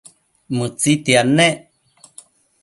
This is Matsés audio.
Mëtsitiad nec